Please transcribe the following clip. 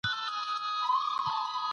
هغه په علمي چارو کې ډېر تجربه لرونکی و.